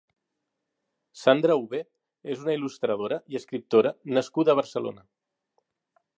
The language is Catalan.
Sandra Uve és una il·lustradora i escriptora nascuda a Barcelona.